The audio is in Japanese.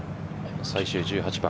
最終１８番。